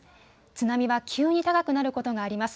津波は急に高くなることがあります。